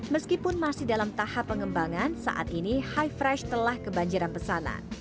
meskipun masih dalam tahap pengembangan saat ini high fresh telah kebanjiran pesanan